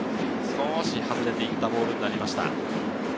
少し外れて行ったボールになりました。